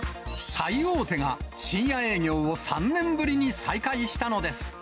最大手が深夜営業を３年ぶりに再開したのです。